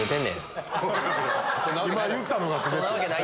今言ったのが全て。